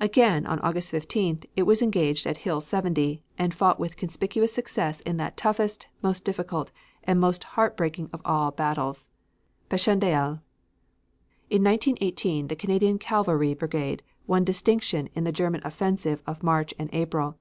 Again on August 15th, it was engaged at Hill 70 and fought with conspicuous success in that toughest, most difficult, and most heart breaking of all battles Passchendaele. In 1918, the Canadian Cavalry Brigade won distinction in the German offensive of March and April.